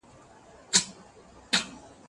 کېدای سي د کتابتون د کار مرسته ستونزي ولري؟!